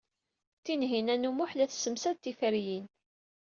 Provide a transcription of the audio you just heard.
Tinhinan u Muḥ la tessemsad tiferyin.